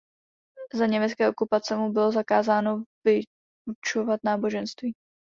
Za německé okupace mu bylo zakázáno vyučovat náboženství.